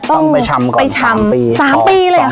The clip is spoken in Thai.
ต้องไปชำก่อน๓ปี